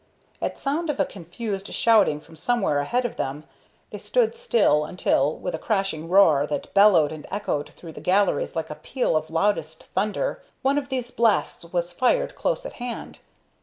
At sound of a confused shouting from somewhere ahead of them, they stood still until, with a crashing roar that bellowed and echoed through the galleries like a peal of loudest thunder, one of these blasts was fired close at hand.